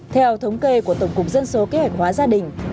theo thống kê của tổng cục dân số kế hoạch hóa gia đình